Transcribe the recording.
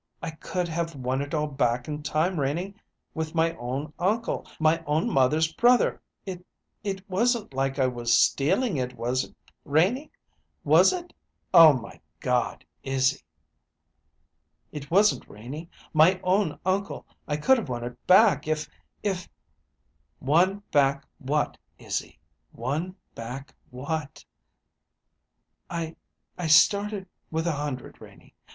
I could have won it all back in time, Renie. With my own uncle, my own mother's brother, it it wasn't like I was stealing it, was it, Renie? Was it?" "Oh, my God, Izzy!" "It wasn't, Renie my own uncle! I could have won it back if if " "Won back what, Izzy won back what?" "I I started with a hundred, Renie.